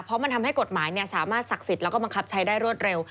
เพราะมันทำให้กฎหมายสามารถศักดิ์สิทธิ์แล้วก็บังคับใช้ได้รวดเร็ว